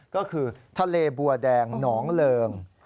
ก็คือทะเลบัวแดงหนองเริง